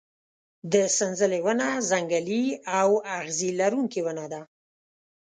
د سنځلې ونه ځنګلي او اغزي لرونکې ونه ده.